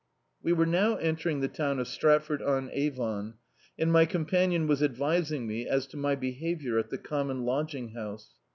We were now entering the town of Stratford on Avon, and my companion was advising me as to my behaviour at the common lodging house.